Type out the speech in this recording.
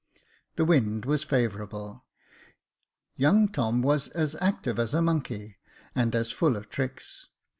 The wind was favourable. Young Tom was as active as a monkey, and as full of tricks.